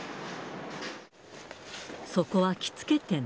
そこは着付け店。